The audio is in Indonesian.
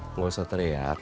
enggak usah teriak